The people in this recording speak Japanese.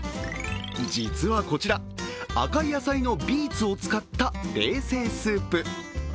実はこちら、赤い野菜のビーツを使った冷製スープ。